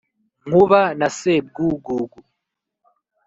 Nkuba na Sebwugugu